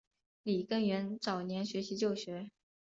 李根源早年学习旧学。